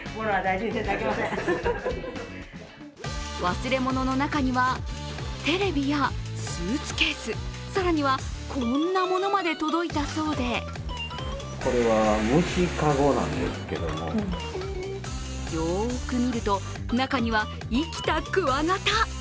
忘れ物の中にはテレビやスーツケース、更には、こんなものまで届いたそうでよーく見ると、中には生きたクワガタ！